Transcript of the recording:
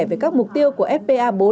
về các mục tiêu của sba bốn